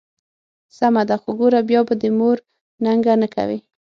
سمه ده، خو ګوره بیا به د مور ننګه نه کوې.